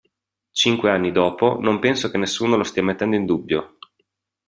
Cinque anni dopo, non penso che nessuno lo stia mettendo in dubbio.